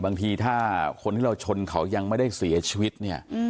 บางทีถ้าคนที่เราชนเขายังไม่ได้เสียชีวิตเนี่ย